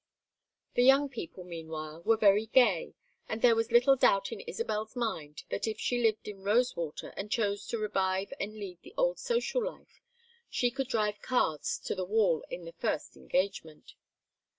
The young people, meanwhile, were very gay, and there was little doubt in Isabel's mind that if she lived in Rosewater and chose to revive and lead the old social life she could drive cards to the wall in the first engagement.